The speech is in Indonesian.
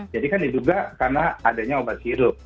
jadi kan diduga karena adanya obat sirup